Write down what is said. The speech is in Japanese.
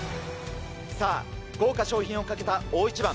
さあ、豪華賞品をかけた大一番。